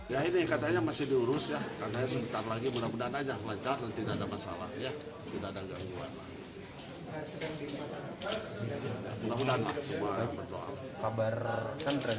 ya ini katanya masih diurus ya karena sebentar lagi mudah mudahan aja lancar dan tidak ada masalah tidak ada gangguan